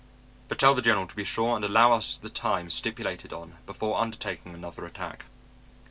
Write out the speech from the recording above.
"But tell the General to be sure and allow us the time stipulated on before undertaking another attack."